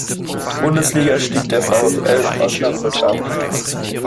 Bundesliga stieg der VfL Osnabrück ab.